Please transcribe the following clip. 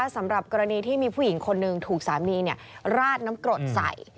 สำหรับกรณีที่มีผู้หญิงคนหนึ่งถูกสามีราดน้ำกรดใส่